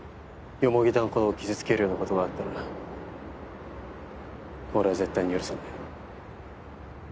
田のことを傷つけるようなことがあったら俺は絶対に許さない。